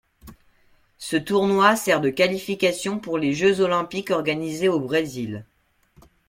Ce tournoi sert de qualification pour les Jeux olympiques organisés au Brésil.